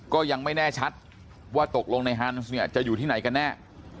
ก็ยังไม่แน่ชัดว่าตกลงในฮันส์เนี่ยจะอยู่ที่ไหนกันแน่